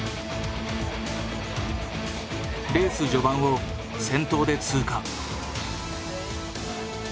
レース序盤を先頭で通過。